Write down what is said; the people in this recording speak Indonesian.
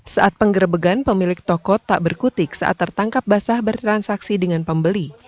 saat penggerbegan pemilik toko tak berkutik saat tertangkap basah bertransaksi dengan pembeli